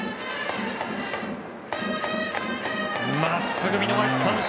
まっすぐ、見逃し三振。